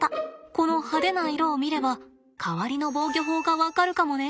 この派手な色を見れば代わりの防御法が分かるかもね。